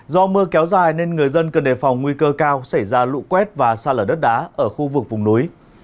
do mưa kéo dài nên người dân cần đề phòng nguy cơ cao xảy ra lụ quét và xa lở đất đá ở khu vực vùng núi